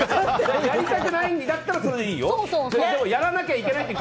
やりたくないんだったらやらなくていいよ。